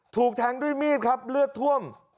ถูกแทงด้วยมีดครับเลือดท่วม